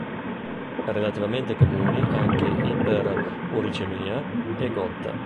Relativamente comuni anche iperuricemia e gotta.